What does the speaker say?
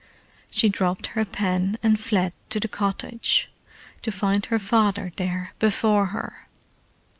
She dropped her pen, and fled to the cottage—to find her father there before her.